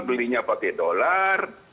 belinya pakai dolar